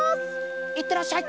いってらっしゃい！